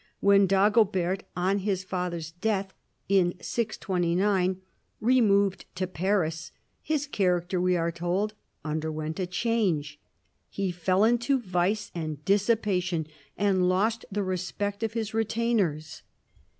When Dago bert, on his father's death (in 629), removed to Paris, his character we are told, underwent a change. He f<>ll into vice and dissipation, and lost the respect of liis retainers.